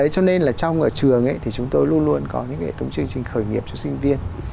cho nên là trong trường thì chúng tôi luôn luôn có những hệ thống chương trình khởi nghiệp cho sinh viên